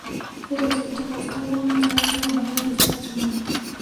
Era el sexto vástago y el segundo hombre de este matrimonio.